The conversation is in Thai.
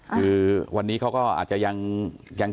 คือวันนี้เขาก็อาจจะยัง